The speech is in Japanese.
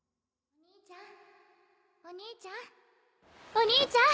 お兄ちゃん。